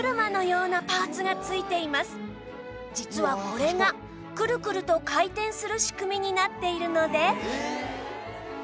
実はこれがくるくると回転する仕組みになっているので